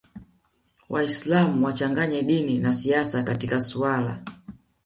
Waislam wachanganye dini na siasa katika suala